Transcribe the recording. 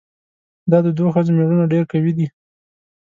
دا د دوو ښځو ميړونه ډېر قوي دي؟